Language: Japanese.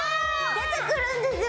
出てくるんですよ